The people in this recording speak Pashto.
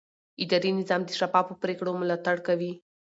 اداري نظام د شفافو پریکړو ملاتړ کوي.